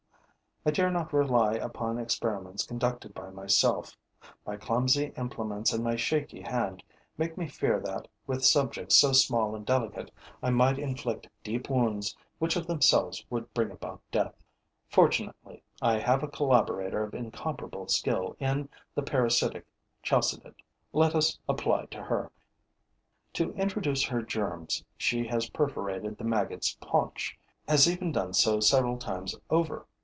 I dare not rely upon experiments conducted by myself: my clumsy implements and my shaky hand make me fear that, with subjects so small and delicate, I might inflict deep wounds which of themselves would bring about death. Fortunately, I have a collaborator of incomparable skill in the parasitic Chalcidid. Let us apply to her. To introduce her germs, she has perforated the maggot's paunch, has even done so several times over.